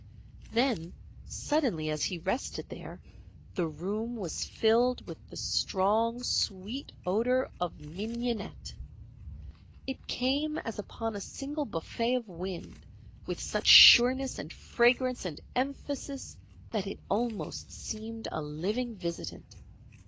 Then, suddenly, as he rested there, the room was filled with the strong, sweet odour of mignonette. It came as upon a single buffet of wind with such sureness and fragrance and emphasis that it almost seemed a living visitant.